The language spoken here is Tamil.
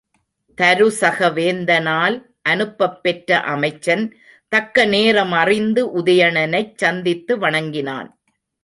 தருசக வேந்தனால் அனுப்பப் பெற்ற அமைச்சன், தக்க நேரமறிந்து உதயணனைச் சந்தித்து வணங்கினான்.